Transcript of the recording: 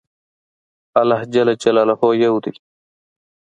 الله ج يو دی